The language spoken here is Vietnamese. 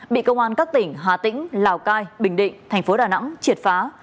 bị công an các tỉnh hà tĩnh lào cai bình định thành phố đà nẵng triệt phá